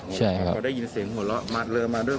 อืมพอได้ยินเสียงหัวเราะมาเริ่มมาด้วยครับ